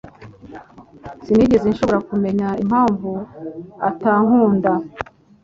Sinigeze nshobora kumenya impamvu atankunda.